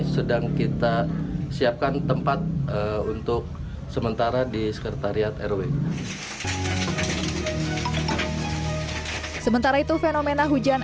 sedang kita siapkan tempat untuk sementara di sekretariat rw sementara itu fenomena hujan